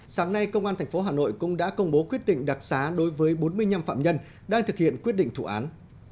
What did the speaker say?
sáng nay công an tp hà nội cũng đã công bố quyết định đặc xá đối với bốn mươi năm phạm nhân đang thực hiện quyết định thủ án